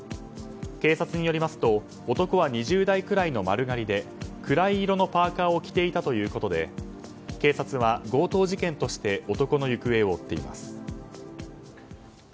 警察によりますと男は２０代くらいの丸刈りで暗い色のパーカを着ていたということで警察は強盗事件として男の行方を追っています。